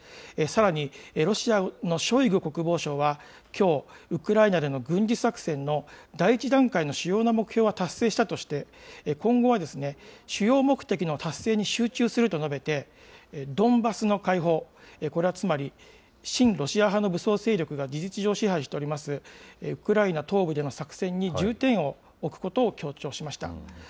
さらに、ロシアのショイグ国防相はきょう、ウクライナでの軍事作戦の第１段階の主要な目標は達成したとして、今後は主要目的の達成に集中すると述べて、ドンバスの解放、これはつまり、親ロシア派の武装勢力が事実上、支配しております、ウクライナ東部での作戦に重点を置くことを強調しました。